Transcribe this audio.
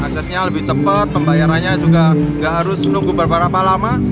aksesnya lebih cepat pembayarannya juga nggak harus nunggu berapa lama